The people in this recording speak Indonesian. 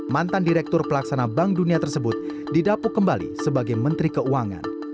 mantan direktur pelaksana bank dunia tersebut didapuk kembali sebagai menteri keuangan